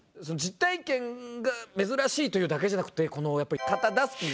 実体験が珍しいというだけじゃなくてこのやっぱり「片襷」